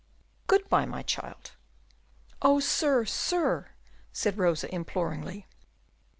Good bye, my child." "Oh, sir, sir!" said Rosa, imploringly.